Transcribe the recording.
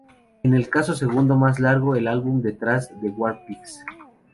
Es el canto segundo más largo en el álbum detrás de "War Pigs".